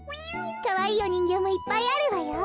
かわいいおにんぎょうもいっぱいあるわよ。